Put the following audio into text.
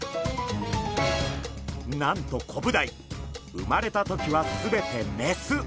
なんとコブダイ生まれた時は全てメス！